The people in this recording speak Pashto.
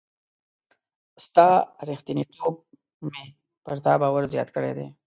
ستا ریښتینتوب مي پر تا باور زیات کړی دی.